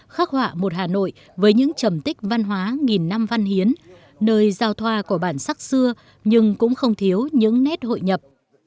khắc họa một hà nội với những trầm tích văn hóa nghìn năm văn hiến nơi giao thoa của bản sắc xưa nhưng cũng không thiếu những nét hội nhập